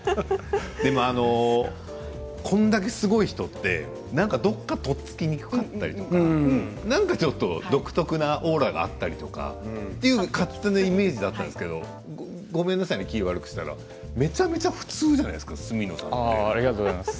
でも、これだけすごいとどこか取っつきにくいとか独特なオーラがあったりとか勝手なイメージだったんですけどごめんなさいね、気を悪くしたらめちゃめちゃ普通じゃないですかありがとうございます。